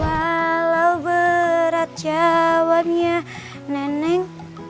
walau berat jawabnya neneng